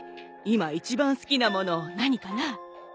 今一番好きなもの何かな？